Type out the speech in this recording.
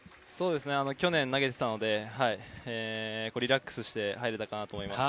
去年投げていたのでリラックスして入れたかなと思います。